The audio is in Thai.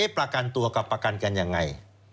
ประกันตัวกับประกันกันยังไง